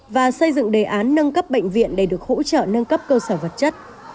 và xây dựng đề án nâng cấp bệnh viện để được hỗ trợ nâng cấp cơ sở vật chất